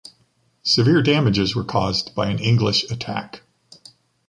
Severe damages were caused by an English attack.